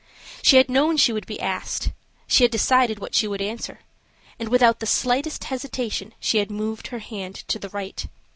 She had known she would be asked, she had decided what she would answer, and, without the slightest hesitation, she had moved her hand to the right.